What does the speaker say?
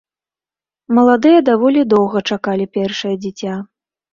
Маладыя даволі доўга чакалі першае дзіця.